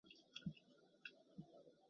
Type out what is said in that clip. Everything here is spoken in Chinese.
元朝时为东安州。